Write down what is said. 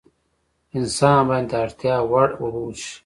انسان باید د اړتیا وړ اوبه وڅښي